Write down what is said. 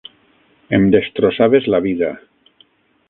Em destrossaves la vida.